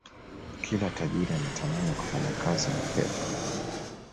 Kila tajiri anatamani kufanya kazi na poep